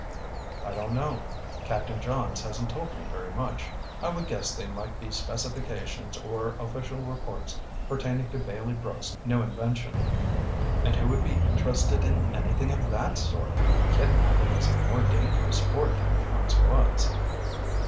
"I don't know. Captain Johns hasn't told me very much. I would guess they might be specifications or official reports pertaining to Bailey Brooks' new invention." "And who would be interested in anything of that sort? Kidnapping is a more dangerous sport than it once was."